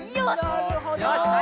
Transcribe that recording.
なるほど。